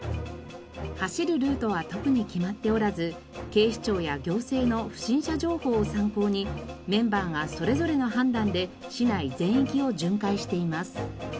走るルートは特に決まっておらず警視庁や行政の不審者情報を参考にメンバーがそれぞれの判断で市内全域を巡回しています。